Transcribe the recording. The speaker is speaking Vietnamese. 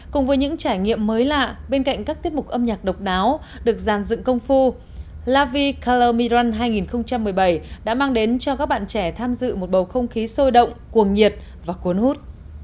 cùng với những trải nghiệm mới lạ bên cạnh các tiết mục âm nhạc độc đáo được giàn dựng công phu lavi calor miun hai nghìn một mươi bảy đã mang đến cho các bạn trẻ tham dự một bầu không khí sôi động cuồng nhiệt và cuốn hút